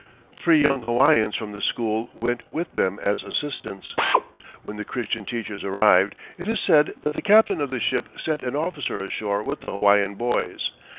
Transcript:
Three young Hawaiians from the school went with them as assistants. When the Christian teachers arrived, it is said that the captain of the ship sent an officer ashore with the Hawaiian boys.